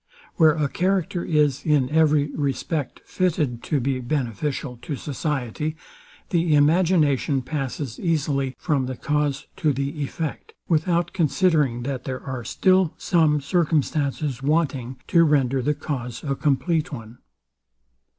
Where a character is, in every respect, fitted to be beneficial to society, the imagination passes easily from the cause to the effect, without considering that there are some circumstances wanting to render the cause a complete one.